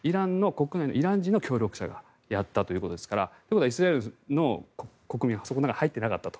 イラン人の協力者がやったということですからということはイスラエルの国民はその中に入っていなかったと。